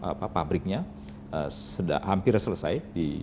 saat ini pabriknya hampir selesai